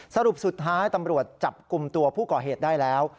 สรุปสุดท้ายตำรวจจับกลุ่มตัวผู้ก่อเหตุได้แล้ว